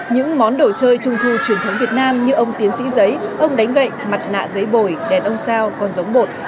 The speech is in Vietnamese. những món đồ chơi trung thu truyền thống việt nam như ông tiến sĩ giấy ông đánh gậy mặt nạ giấy bồi đèn ông sao con giống bột